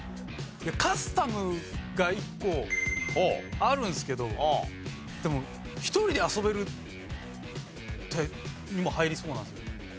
カスタムが１個あるんですけどでも１人で遊べるにも入りそうなんですよね。